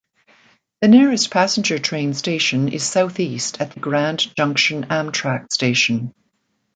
The nearest passenger train station is southeast at the Grand Junction Amtrak station.